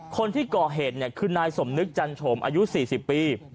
คนที่ก่อเหตุคือนายสมนึกจันโฉมอายุ๔๐ปี